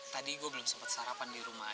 tadi gue belum sempat sarapan di rumah